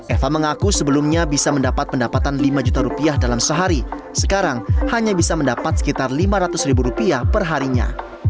eva mengaku sebelumnya bisa mendapat pendapatan lima juta rupiah dalam sehari sekarang hanya bisa mendapat sekitar lima ratus ribu rupiah perharinya